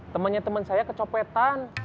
temennya temen saya kecepetan